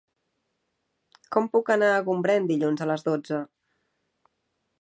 Com puc anar a Gombrèn dilluns a les dotze?